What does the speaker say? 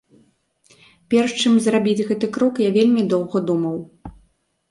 Перш чым зрабіць гэты крок я вельмі доўга думаў.